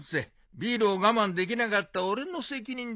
ビールを我慢できなかった俺の責任だ。